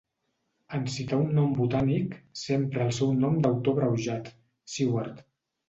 En citar un nom botànic, s'empra el seu nom d'autor abreujat, Seward.